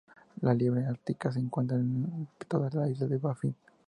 La liebre ártica se encuentra en toda la isla de Baffin.